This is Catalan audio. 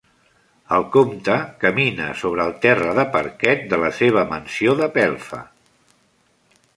El comte camina sobre el terra de parquet de la seva mansió de pelfa.